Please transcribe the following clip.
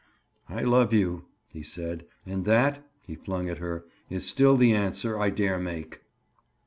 "I love you," he said. "And that," he flung at her, "is still the answer I dare make."